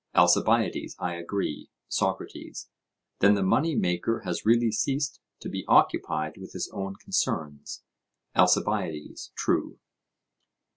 ALCIBIADES: I agree. SOCRATES: Then the money maker has really ceased to be occupied with his own concerns? ALCIBIADES: True.